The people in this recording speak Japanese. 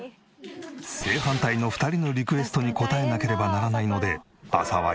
正反対の２人のリクエストに応えなければならないので。